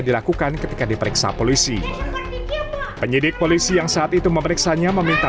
dilakukan ketika diperiksa polisi penyidik polisi yang saat itu memeriksanya meminta